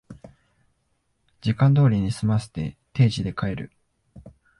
時間通りに済ませて定時で帰る